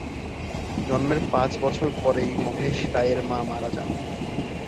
জন্মের পাঁচ বছর পরেই মহেশ রায়ের মা মারা যান।